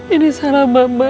ini salah mama